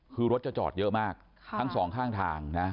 คือรถจะจอดเยอะมากทั้งสองข้างทางนะ